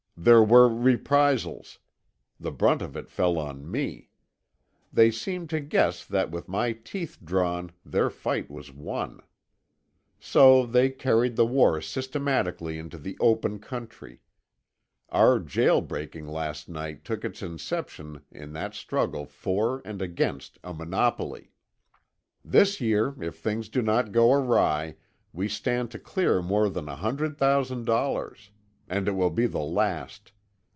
There were reprisals. The brunt of it fell on me. They seemed to guess that with my teeth drawn their fight was won. So they carried the war systematically into the open country. Our jail breaking last night took its inception in that struggle for and against a monopoly. "This year, if things do not go awry, we stand to clear more than a hundred thousand dollars. And it will be the last.